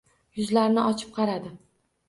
Yuzlarni ochib qaradi.